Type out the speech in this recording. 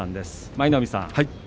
舞の海さん